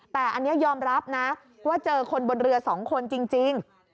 แต่อันนี้ยอมรับนะว่าเจอคนบนเรือ๒คนจริง